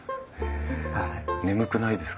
眠くないですか？